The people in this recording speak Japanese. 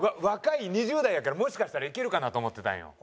若い２０代やからもしかしたらいけるかなと思ってたんよ。